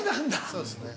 そうですね。